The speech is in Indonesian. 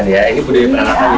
ini budaya peranakan